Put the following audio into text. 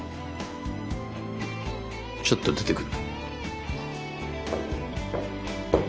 ちょっと出てくる。